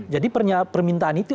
jadi permintaan itu